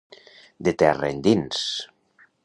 De terra endins.